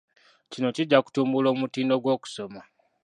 Kino kijja kutumbula omutindo gw'okusoma.